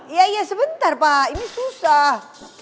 ya ya sebentar pak ini susah